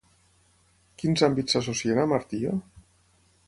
Quins àmbits s'associen amb Artio?